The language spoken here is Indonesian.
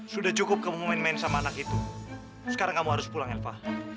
sudah cukup kamu main main sama anak itu sekarang kamu harus pulang elva